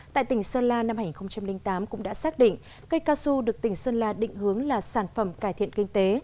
tại tỉnh sơn la năm hai nghìn tám cũng đã xác định cây cao su được tỉnh sơn la định hướng là sản phẩm cải thiện kinh tế